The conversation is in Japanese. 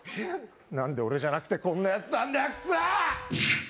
何で俺じゃなくてこんなやつなんだよクソッ！